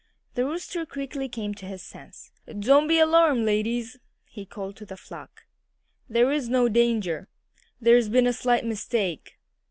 The Rooster quickly came to his senses. "Don't be alarmed, ladies!" he called to the flock. "There's no danger. There's been a slight mistake."